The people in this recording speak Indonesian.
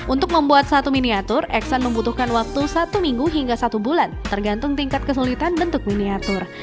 untuk membuat satu miniatur eksan membutuhkan waktu satu minggu hingga satu bulan tergantung tingkat kesulitan bentuk miniatur